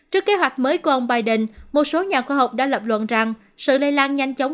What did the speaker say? trước kế hoạch mới của ông biden một số nhà khoa học đã lập luận rằng sự lây lan nhanh chóng